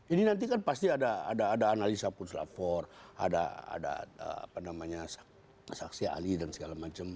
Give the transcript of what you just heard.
ini nanti kan pasti ada analisa pun selapor ada saksi ahli dan segala macam